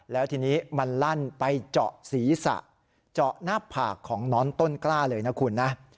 แล้วทีนี้มันลั่นไปเจาะศีรษะเจาะหน้าผากของน้องต้นกล้าเลยนะคุณนะ